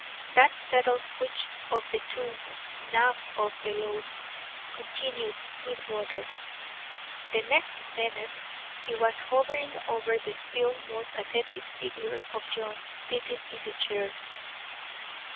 "That settles which of the two gnawed the loaf," continued Sweetwater. The next minute he was hovering over the still more pathetic figure of John, sitting in the chair.